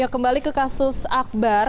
kembali ke kasus akbar